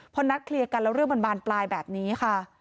พอนัดเคลียร์กันแล้วเรื่องมันบานปลายแบบนี้ค่ะ